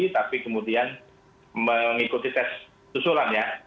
tapi kemudian mengikuti tes susulan ya